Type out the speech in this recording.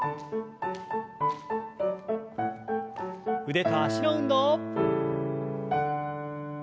腕と脚の運動。